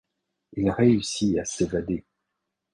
Il réussit à s'évader.